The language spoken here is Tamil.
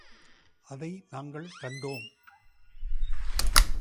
அதை நாங்கள் கண்டோம்.